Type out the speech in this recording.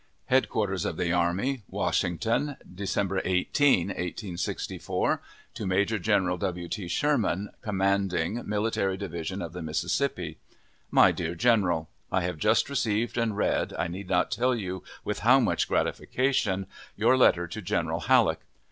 HEADQUARTERS OF THE ARMY WASHINGTON, December 18, 1864. To Major General W. T. SHERMAN, commanding Military Division of the Mississippi. My DEAR GENERAL: I have just received and read, I need not tell you with how mush gratification, your letter to General Halleck.